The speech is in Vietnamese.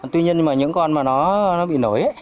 tuy nhiên những con mà nó bị nổi